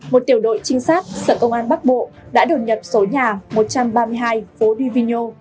một tiểu đội trinh sát sở công an bắc bộ đã đồn nhập số nhà một trăm ba mươi hai phố divino